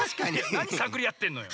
なにさぐりあってんのよ。